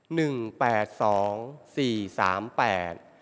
แปดสองสี่สามแปด